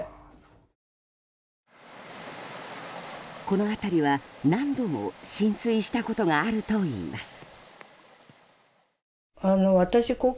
この辺りは何度も浸水したことがあるといいます。